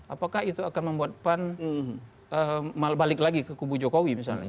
apakah itu akan membuat pan balik lagi ke kubu jokowi misalnya